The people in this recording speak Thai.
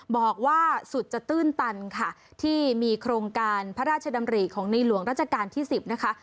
บอกว่าสุดจะตื้นตันค่ะที่มีโครงการพระราชดำริของในหลวงราชการที่๑๐นะคะ